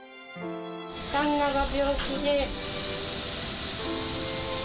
旦那が病気で。